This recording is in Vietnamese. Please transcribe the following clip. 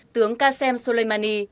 tướng qasem soleimani